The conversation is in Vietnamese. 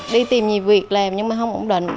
đi tìm nhiều việc làm nhưng mà không ổn định